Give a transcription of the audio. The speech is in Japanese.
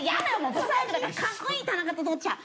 ブサイクだからかっこいい田中と撮っちゃう。